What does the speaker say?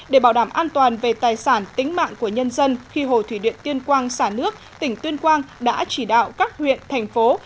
để bảo đảm an toàn về tài sản tính mạng của nhân dân khi hồ thủy điện tuyên quang xả nước tỉnh tuyên quang đã chỉ đạo các huyện thành phố